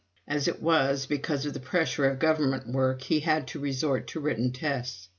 As it was, because of the pressure of Government work, he had to resort to written tests.